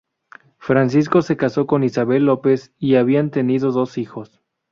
Francisco se casó con Isabel López y habían tenido dos hijos.